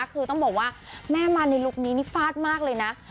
คือต้องบอกว่าแม่มาในลุคนี้นี่ฟาดมากเลยนะ